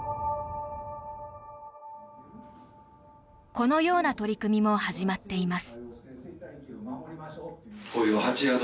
このような取り組みも始まっています。